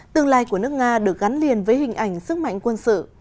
tương lai của nước nga được gắn liền với hình ảnh sức mạnh quân sự